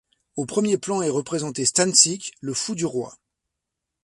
Au premier plan est représenté Stańczyk, le fou du roi.